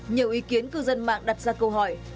nhiều ý kiến cư dân mạng đặt ra câu hỏi